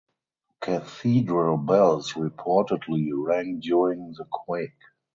Cathedral bells reportedly rang during the quake.